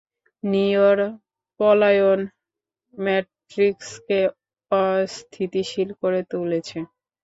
নিওর পলায়ন ম্যাট্রিক্সকে অস্থিতিশীল করে তুলেছে।